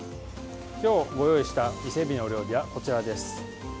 今日ご用意した伊勢えびのお料理はこちらです。